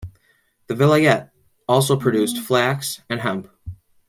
The vilayet also produced flax and hemp.